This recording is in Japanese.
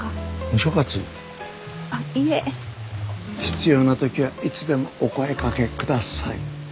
必要な時はいつでもお声がけください。